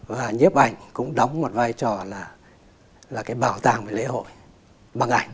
và nhiếp ảnh cũng đóng một vai trò là cái bảo tàng về lễ hội bằng ảnh